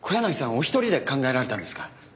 お一人で考えられたんですか？